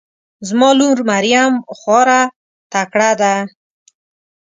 زما لور مريم خواره تکړه ده